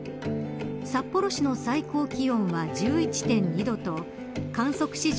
札幌市の最高気温は１１．２度と観測史上